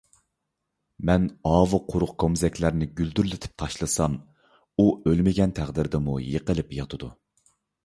مەن ئاۋۇ قۇرۇق كومزەكلەرنى گۈلدۈرلىتىپ تاشلىسام، ئۇ ئۆلمىگەن تەقدىردىمۇ يىقىلىپ ياتىدۇ.